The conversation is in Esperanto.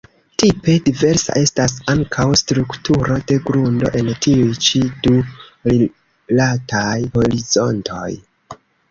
Tipe diversa estas ankaŭ strukturo de grundo en tiuj ĉi du rilataj horizontoj.